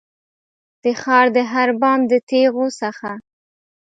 د ښار د هر بام د تېغو څخه